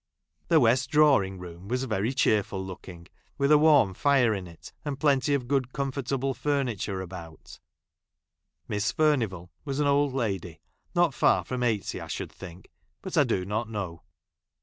The west drawing¬ room was very cheerful looking, with a warm fire in it, and plenty of good comfortable fur¬ niture about. Miss Furnivall was an old lady not far from eighty, I should think, but I do not know.